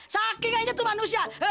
saking aja tuh manusia